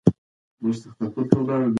امسا یې په مځکه کلکه تکیه کړې وه.